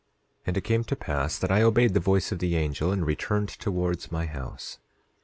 10:8 And it came to pass that I obeyed the voice of the angel, and returned towards my house.